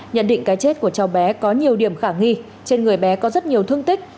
nhận định cái chết của cháu bé có nhiều điểm khả nghi trên người bé có rất nhiều thương tích